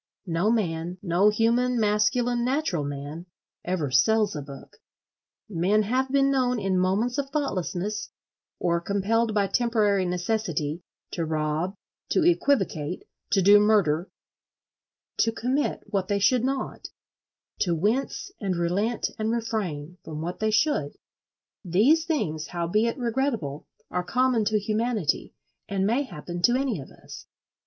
No man—no human, masculine, natural man—ever sells a book. Men have been known in moments of thoughtlessness, or compelled by temporary necessity, to rob, to equivocate, to do murder, to commit what they should not, to "wince and relent and refrain" from what they should: these things, howbeit regrettable, are common to humanity, and may happen to any of us.